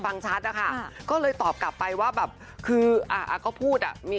ฟังชัดนะคะก็เลยตอบกลับไปว่าแบบคืออ่าก็พูดอ่ะมี